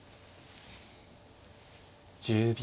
１０秒。